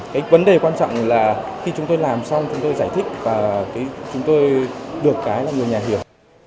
cái vấn đề quan trọng là khi chúng tôi làm xong chúng tôi giải thích và chúng tôi được cái là người nhà hiểu